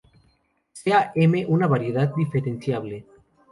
Sea "M" una variedad diferenciable.